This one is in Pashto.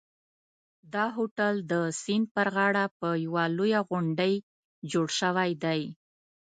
دا هوټل د سیند پر غاړه په یوه لوړه غونډۍ جوړ شوی دی.